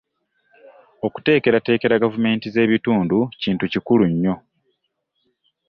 Okuteekerateekera gavumenti z’ebitundu kintu kikulu nnyo.